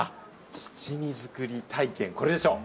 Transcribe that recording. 七味作り体験、これでしょう！